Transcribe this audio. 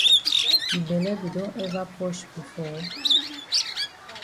Yi bele be don ever posh before?